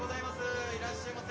いらっしゃいませ！